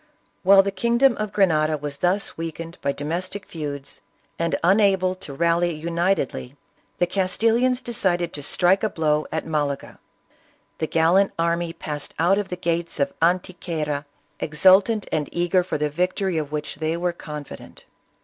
While the kingdom of Grenada was thus weakened by domestic feuds and unable to rally unitedly, the Castilians decided to strike a blow at Malaga. The gallant army passed out of the gates of Antequera, ex ultant and eager for the victory of which they were confident.